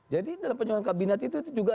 jadi dalam penyusunan kabinet itu juga